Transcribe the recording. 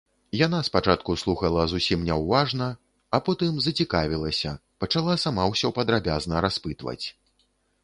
Яна спачатку слухала зусім няўважна, а потым зацікавілася, пачала сама ўсё падрабязна распытваць.